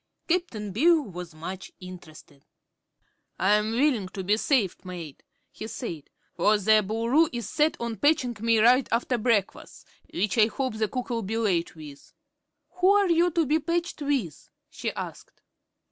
Cap'n Bill was much interested. "I'm willing to be saved, mate," he said, "for the Boo l'roo is set on patchin' me right after breakfas', which I hope the cook'll be late with." "Who are you to be patched with?" she asked.